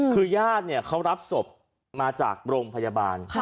คือญาติเขารับศพมาจากโรงพยาบาล